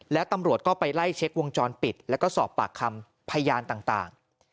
แล้วตำรวจก็ไปไล่เช็ควงจรปิดแล้วก็สอบปากคำพยานต่าง